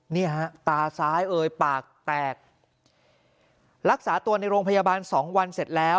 นี่ฮะตาซ้ายเอ่ยปากแตกรักษาตัวในโรงพยาบาลสองวันเสร็จแล้ว